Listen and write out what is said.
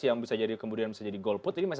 yang bisa jadi kemudian bisa jadi gold put ini masih